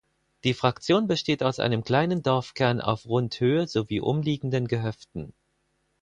Die Fraktion besteht aus einem kleinen Dorfkern auf rund Höhe sowie umliegenden Gehöften.